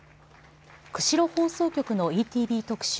釧路放送局のＥＴＶ特集